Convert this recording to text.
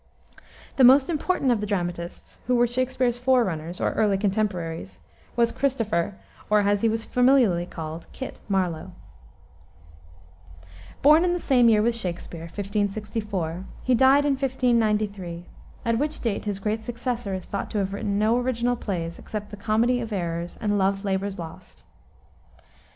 The most important of the dramatists, who were Shakspere's forerunners, or early contemporaries, was Christopher or as he was familiarly called Kit Marlowe. Born in the same year with Shakspere (1564), he died in 1593, at which date his great successor is thought to have written no original plays, except the Comedy of Errors and Love's Labour's Lost.